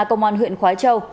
công an huyện khói châu